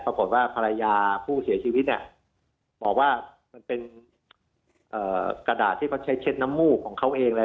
ปรากฏว่าภรรยาผู้เสียชีวิตบอกว่ามันเป็นกระดาษที่เขาใช้เช็ดน้ำมูกของเขาเองเลย